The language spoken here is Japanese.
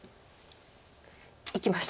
いきました。